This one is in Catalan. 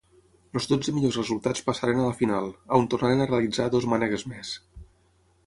Els dotze millors resultats passaren a la final, on tornaren a realitzar dues mànegues més.